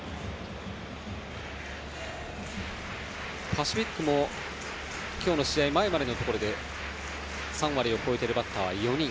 パシフィックも今日の試合前までのところで３割を超えているバッターは４人。